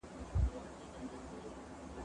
زه به سبا سبزیجات وچوم وم،